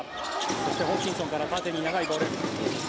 そして、ホーキンソンから縦に長いボール。